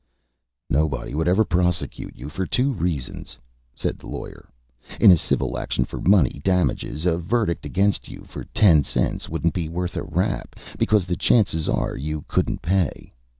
"Nobody would ever prosecute you, for two reasons," said the lawyer. "In a civil action for money damages a verdict against you for ten cents wouldn't be worth a rap, because the chances are you couldn't pay.